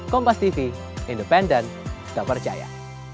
kompas tv independen gak percaya